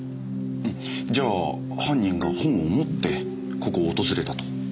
じゃあ犯人が本を持ってここを訪れたと？